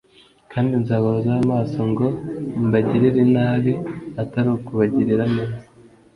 kandi nzabahozaho amaso ngo mbagirire nabi, atari ukubagirira neza